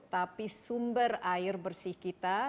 tapi sumber air bersih kita